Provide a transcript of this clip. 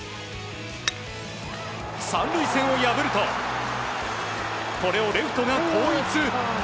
３塁線を破るとこれをレフトが後逸。